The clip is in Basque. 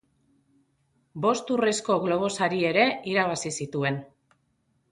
Bost Urrezko Globo Sari ere irabazi zituen.